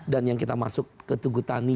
dan yang kita masuk ke tugutani